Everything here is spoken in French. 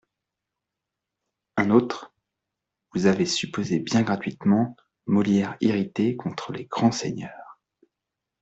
Un autre :« Vous avez supposé bien gratuitement Molière irrité contre les grands seigneurs.